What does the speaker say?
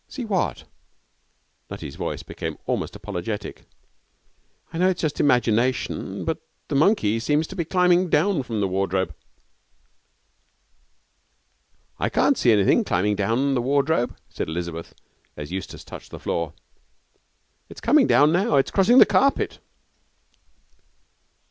'See what?' Nutty's voice became almost apologetic. 'I know it's just imagination, but the monkey seems to me to be climbing down from the wardrobe.' 'I can't see anything climbing down the wardrobe,' said Elizabeth, as Eustace touched the floor. 'It's come down now. It's crossing the carpet.'